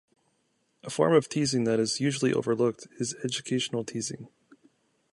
A form of teasing that is usually overlooked is educational teasing.